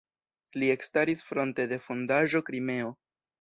Li ekstaris fronte de Fondaĵo "Krimeo".